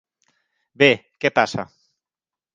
Bé, què passa?